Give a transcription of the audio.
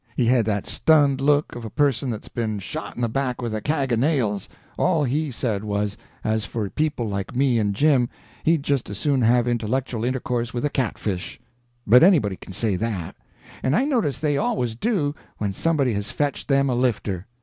He had that stunned look of a person that's been shot in the back with a kag of nails. All he said was, as for people like me and Jim, he'd just as soon have intellectual intercourse with a catfish. But anybody can say that—and I notice they always do, when somebody has fetched them a lifter.